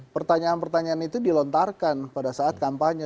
pertanyaan pertanyaan itu dilontarkan pada saat kampanye